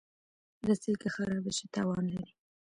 رسۍ که خراب شي، تاوان لري.